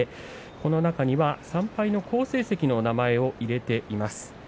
この中には３敗の好成績の名前を入れています。